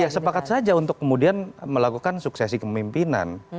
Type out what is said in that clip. ya sepakat saja untuk kemudian melakukan suksesi kemimpinan